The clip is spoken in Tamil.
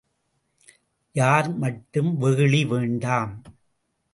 யார் மாட்டும் வெகுளி வேண்டாம்.